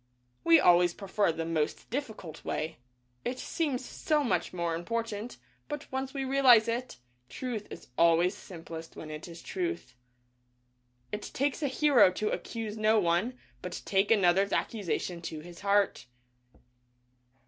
We always prefer the most difficult way. It seems so much more important, but once we realize it, truth is always simplest when it is Truth. It takes a hero to accuse no one, but take another's accusation to his heart.